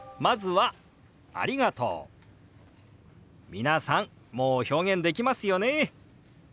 皆さんもう表現できますよね。